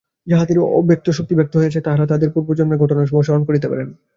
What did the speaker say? যাঁহাদের অব্যক্ত শক্তি ব্যক্ত হইয়াছে, তাঁহারা তাঁহাদের পূর্বজন্মের ঘটনাসমূহ স্মরণ করিতে পারেন।